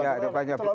ya ada banyak